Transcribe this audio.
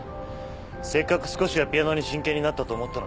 せっかく少しはピアノに真剣になったと思ったのに。